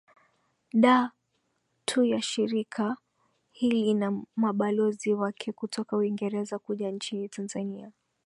da tu ya shirika hili na mabalozi wake kutoka uingereza kuja nchini tanzania